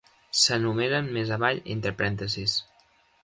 S'enumeren més avall entre parèntesis.